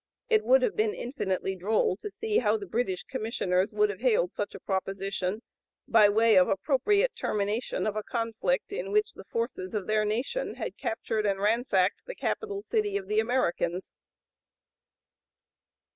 It would have been infinitely droll to see how the British Commissioners would have hailed such a proposition, by way of appropriate termination of a conflict in which the forces of their nation had captured and ransacked the capital city of the Americans!